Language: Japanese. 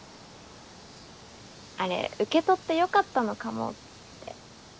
あれ受け取って良かったのかもって。